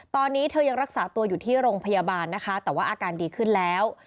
ตอนนี้เธอยังรักษาตัวอยู่ที่โรงพยาบาลนะคะแต่ว่าอาการดีขึ้นแล้ว